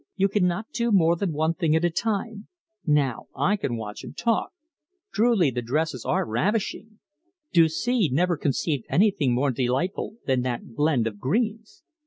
You cannot do more than one thing at a time. Now I can watch and talk. Truly, the dresses are ravishing. Doucet never conceived anything more delightful than that blend of greens!